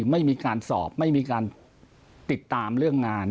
ไม่มีการสอบไม่มีการติดตามเรื่องงาน